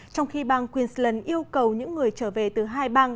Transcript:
trong khi bang queensland yêu cầu những người trở về từ hai bang